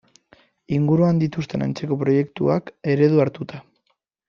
Inguruan dituzten antzeko proiektuak eredu hartuta.